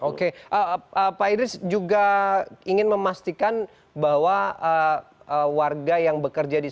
oke pak idris juga ingin memastikan bahwa warga yang bekerja di sini